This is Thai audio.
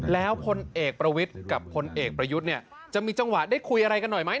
แล้วพลเอกประวิทย์กับพลเอกประยุทธ์เนี่ยจะมีจังหวะได้คุยอะไรกันหน่อยไหม